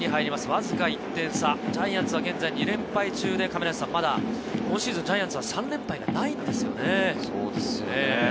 わずか１点差、ジャイアンツは現在２連敗中で、まだ今シーズン、ジャイアンツは３連敗がないんですよね。